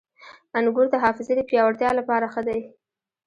• انګور د حافظې د پیاوړتیا لپاره ښه دي.